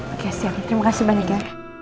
oke siap terima kasih banyak ya